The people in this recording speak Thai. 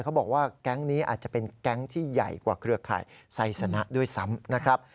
เขาบอกว่าแก๊งนี้อาจจะเป็นแก๊งที่ใหญ่กว่าเครือข่ายไซสนะด้วยซ้ำนะครับ